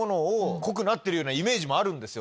濃くなってるようなイメージもあるんですよ。